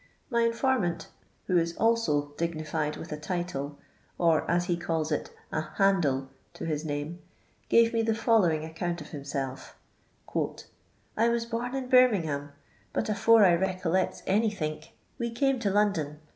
Hy informant, who is also dignified with a title, or as he calls it a " handle to his name," gave me the following acconpt of himself :" I was born in Birmingham, but afore I recollects anythiuk, we came to London.